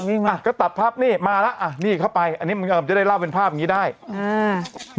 นี่ไงอ่ะก็ตัดภาพนี่มาแล้วอ่ะนี่เข้าไปอันนี้มันก็จะได้เล่าเป็นภาพอย่างงี้ได้อ่า